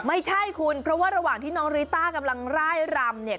ไม่ใช่คุณเพราะว่าระหว่างที่น้องริต้ากำลังร่ายรำเนี่ย